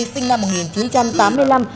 sinh năm một nghìn chín trăm tám mươi năm